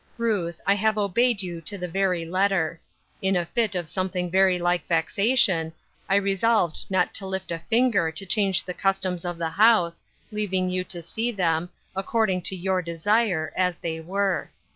Ruth, I have obeyed you to the very letter. In a fit of something very like vexation, I resolved not to lift a finger to change the customs of the he use, leaving you to see them, according to 294 Ruth Erskine's Crosses. your desire, as they were.